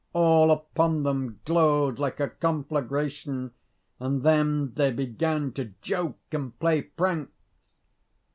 All upon them glowed like a conflagration, and then they began to joke and play pranks....